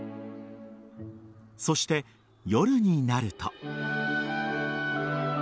そして、夜になると。